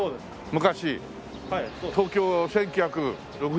昔東京１９６４年か。